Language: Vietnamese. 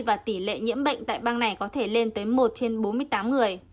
và tỷ lệ nhiễm bệnh tại bang này có thể lên tới một trên bốn mươi tám người